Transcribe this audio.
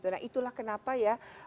nah itulah kenapa ya